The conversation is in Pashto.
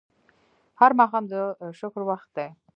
هر ماښام د شکر وخت دی